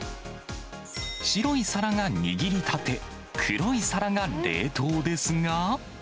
白い皿が握りたて、黒い皿が冷凍ですが。